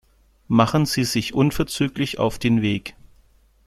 Machen Sie sich unverzüglich auf den Weg.